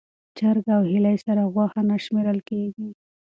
چرګ او هیلۍ سره غوښه نه شمېرل کېږي.